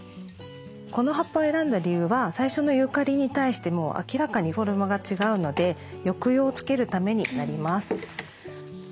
この葉っぱを選んだ理由は最初のユーカリに対してもう明らかにフォルムが違うので抑揚をつけるためになります。